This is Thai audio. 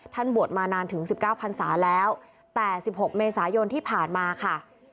ท่านบวชมานานถึงสิบเก้าพันศาแล้วแต่สิบหกเมษายนที่ผ่านมาค่ะ